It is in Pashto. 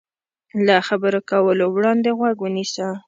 له خبرو کولو وړاندې غوږ ونیسه.